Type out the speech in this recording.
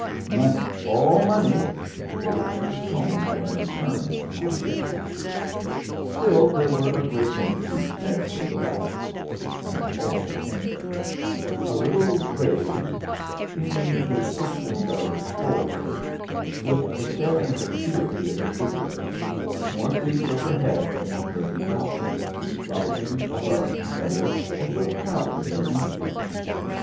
"Money, all money." Old Mrs. Cohen had been firm upon this point. Still, there were a great many seats yet further back and all empty: a little raised, seeming to push themselves forward with the staring vacuity of an idiot: more seats overhead in a curving balcony, rising above each other as though proud of their emptiness.